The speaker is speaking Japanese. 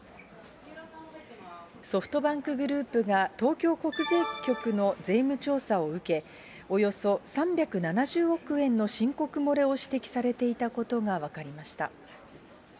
ソフトバンクグループが東京国税局の税務調査を受け、およそ３７０億円の申告漏れを指摘されていたことが分かりました。